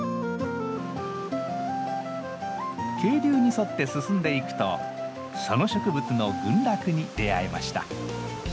渓流に沿って進んでいくとその植物の群落に出会えました。